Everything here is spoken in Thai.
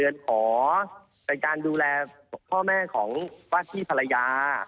ขอเป็นการดูแลพ่อแม่ของว่าที่ภรรยา